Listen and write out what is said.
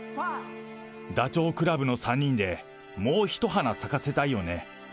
ダチョウ倶楽部の３人で、もう一花咲かせたいよね。